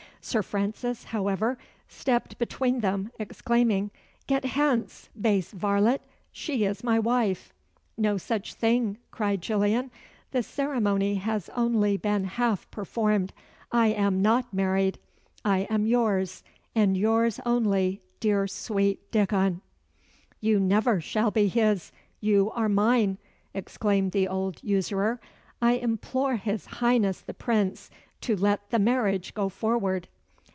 Sir Francis, however, stepped between them, exclaiming "Get hence, base varlet she is my wife." "No such thing!" cried Gillian "the ceremony has only been half performed. I am not married. I am yours and yours only, dear, sweet Dickon." "You never shall be his you are mine " exclaimed the old usurer "I implore his Highness the Prince to let the marriage go forward."